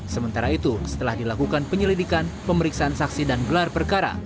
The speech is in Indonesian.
sementara itu setelah dilakukan penyelidikan pemeriksaan saksi dan gelar perkara